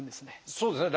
そうですね。